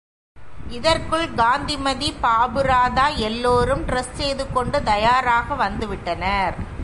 இதற்குள், காந்திமதி, பாபு ராதா எல்லோரும் டிரஸ் செய்து கொண்டு தயாராக வந்து விட்டனர்.